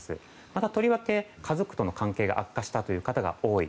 また、とりわけ家族との関係が悪化したという方が多い。